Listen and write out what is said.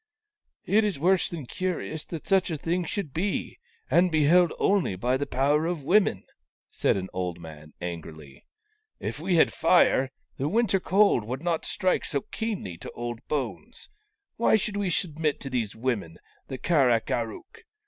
" It is worse than curious that such a thing should be, and be held only by the power of women," said an old man, angrily. "If we had fire, the winter cold would not strike so keenly to old bones. Why should we submit to these women, the Kar ak ar ook